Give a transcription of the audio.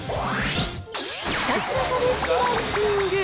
ひたすら試してランキング。